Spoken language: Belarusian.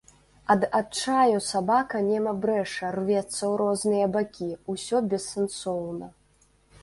Ад адчаю сабака нема брэша, рвецца ў розныя бакі, усё бессэнсоўна.